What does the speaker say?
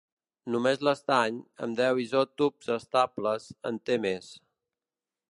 Només l'estany, amb deu isòtops estables, en té més.